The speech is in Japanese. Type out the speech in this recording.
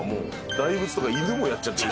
大仏とか犬もやっちゃってる。